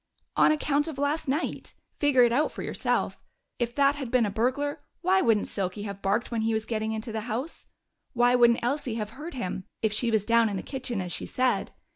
"On account of last night. Figure it out for yourself. If that had been a burglar, why wouldn't Silky have barked when he was getting into the house? Why wouldn't Elsie have heard him, if she was down in the kitchen, as she said?